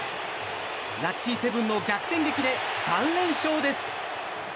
ラッキーセブンの逆転劇で３連勝です。